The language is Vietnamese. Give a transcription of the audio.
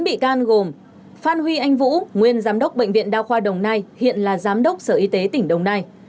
bốn bị can gồm phan huy anh vũ nguyên giám đốc bệnh viện đa khoa đồng nai hiện là giám đốc sở y tế tỉnh đồng nai